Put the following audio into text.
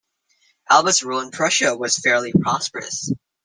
Albert's rule in Prussia was fairly prosperous.